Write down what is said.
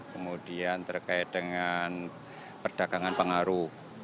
kemudian terkait dengan perdagangan pengaruh